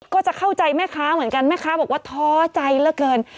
ก็จะเข้าใจแม่ค้าเหมือนกันแม่ค้าบอกว่าท้อใจเหลือเกิน